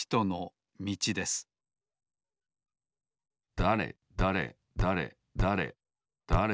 だれだれだれだれだれ